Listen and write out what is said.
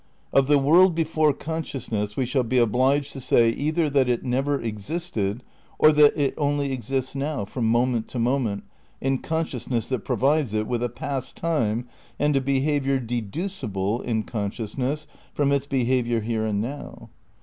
^°^°^ Of the world before consciousness we shall be obliged to say either that it never existed, or that it only exists now, from moment to moment, in consciousness that provides it with a past time and a behaviour deducible (in consciousness) from its behaviour here and now.